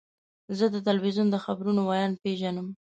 زه د تلویزیون د خبرونو ویاند پیژنم.